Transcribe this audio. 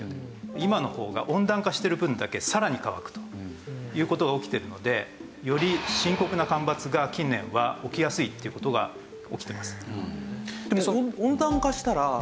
今の方が温暖化している分だけさらに乾くという事が起きているのでより深刻な干ばつが近年は起きやすいという事が起きています。